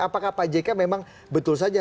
apakah pak jk memang betul saja